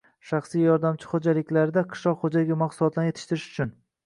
Shaxsiy yordamchi xo‘jaliklarda qishloq xo‘jaligi mahsulotlarini yetishtirish uchun